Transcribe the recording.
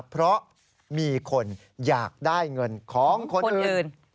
เพราะมีคนอยากได้เงินของคนอื่น